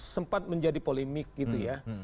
sempat menjadi polemik gitu ya